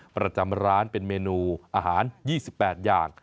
ประจำร้านเป็นเมนูอาหาร๒๘อย่าง